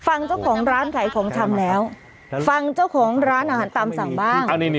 ฟังเจ้าของร้านขายของชำแล้วฟังเจ้าของร้านอาหารตามสั่งบ้าง